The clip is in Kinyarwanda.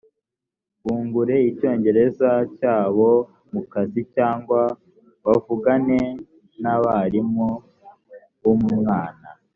bungure icyongereza cyabo mu kazi cyangwa bavugane n abarimu b umwana